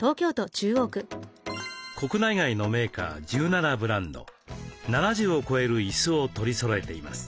国内外のメーカー１７ブランド７０を超える椅子を取りそろえています。